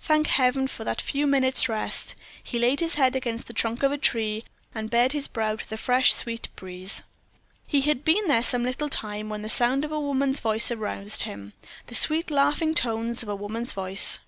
thank Heaven for that few minutes' rest. He laid his head against the trunk of a tree, and bared his brow to the fresh sweet breeze. He had been there some little time when the sound of a woman's voice aroused him the sweet laughing tones of a woman's voice.